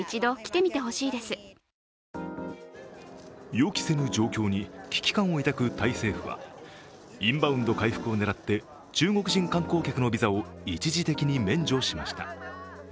予期せぬ状況に危機感を抱くタイ政府は、インバウンド回復を狙って中国人観光客のビザを一時的に免除しました。